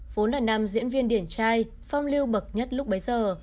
phố là nam diễn viên điển trai phong lưu bậc nhất lúc bấy giờ